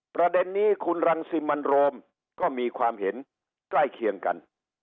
ประเด็นนี้คุณรังสิมันโรมก็มีความเห็นใกล้เคียงกัน